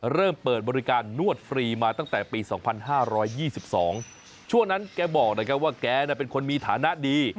เริ่มเปิดบริการนวดฟรีมาตั้งแต่ปี๒๕๒๒ช่วงนั้นแกบอกนะครับว่าแกเป็นคนมีฐานะดี